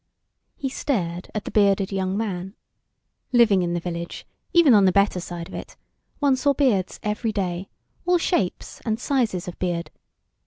He stared at the bearded young man. Living in the Village, even on the better side of it, one saw beards every day, all shapes and sizes of beard.